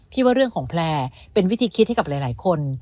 ว่าเรื่องของแพลร์เป็นวิธีคิดให้กับหลายคน